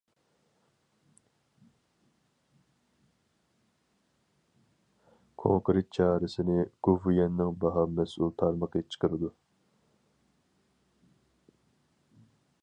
كونكرېت چارىسىنى گوۋۇيۈەننىڭ باھا مەسئۇل تارمىقى چىقىرىدۇ.